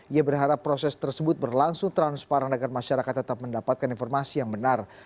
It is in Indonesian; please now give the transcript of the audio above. ia berharap proses tersebut berlangsung transparan agar masyarakat tetap mendapatkan informasi yang benar